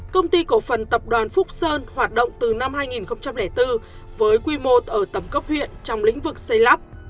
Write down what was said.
công ty cổ phần tập đoàn phúc sơn hoạt động từ năm hai nghìn bốn với quy mô ở tầm cấp huyện trong lĩnh vực xây lắp